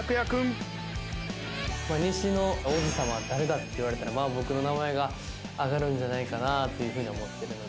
西の王子様は誰だ？っていわれたら僕の名前が挙がるんじゃないかなというふうに思ってるので。